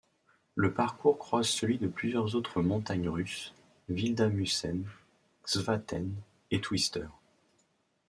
Le parcours croise celui de plusieurs autres montagnes russes: Vilda Musen, Kvasten et Twister.